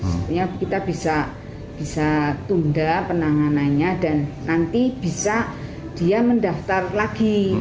sehingga kita bisa tunda penanganannya dan nanti bisa dia mendaftar lagi